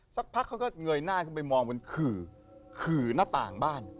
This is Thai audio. สักพักเขาก็เงยหน้าขึ้นไปมองบนขื่อขื่อหน้าต่างบ้าน